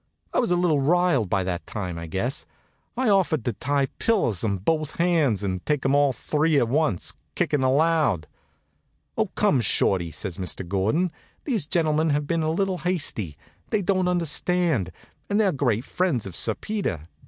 I was a little riled by that time, I guess. I offered to tie pillows on both hands and take 'em all three at once, kickin' allowed. "Oh, come, Shorty," says Mr. Gordon. "These gentlemen have been a little hasty. They don't understand, and they're great friends of Sir Peter.